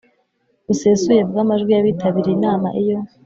busesuye bw amajwi y abitabiriye inama Iyo